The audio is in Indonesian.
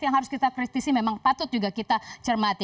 yang harus kita kritisi memang patut juga kita cermati